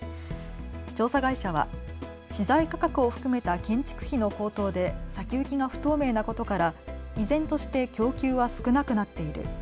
調査会社は資材価格を含めた建築費の高騰で先行きが不透明なことから依然として供給は少なくなっている。